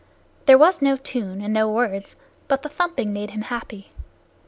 There was no tune and no words, but the thumping made him happy.